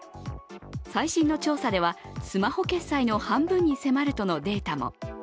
最新の調査ではスマホ決済の半分に迫るとのデータも。